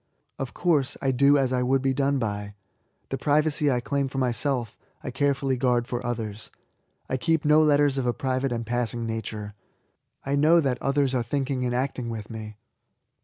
Of course, I do as I would be done by. The privacy I claim for myself, I care fully guard for others. I keep no letters of a private and passing nature. I know that others are thinking and acting with me.